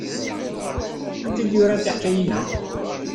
Anta i d-yuran tiḥkayin-a?